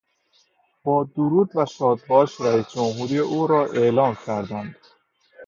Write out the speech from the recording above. با درود و شادباش رییس جمهوری او را اعلام کردند.